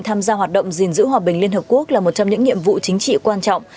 tham gia hoạt động gìn giữ hòa bình liên hợp quốc là một trong những nhiệm vụ chính trị quan trọng